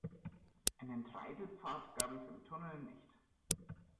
Einen Treidelpfad gab es im Tunnel nicht.